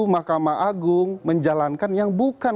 mahkamah agung menjalankan yang bukan